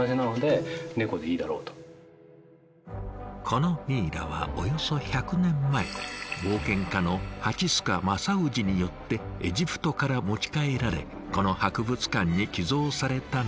このミイラはおよそ１００年前冒険家の蜂須賀正氏によってエジプトから持ち帰られこの博物館に寄贈されたんだとか。